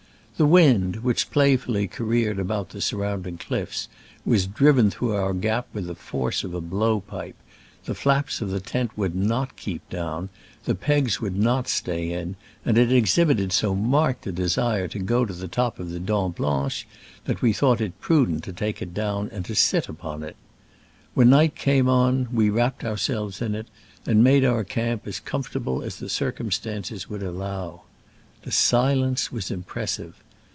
The wind, which playfully careered about the sur rounding cliffs, was driven through our gap with the force of a blow pipe : the flaps of the tent would not keep down, the pegs would not stay in, and it ex hibited so marked a desire to go to the top of the Dent Blanche that we thought it prudent to take it down and to sit upon it. When night came on we wrap ped ourselves in it, and made our camp as comfortable as the circumstances would allow. The silence was impress ive.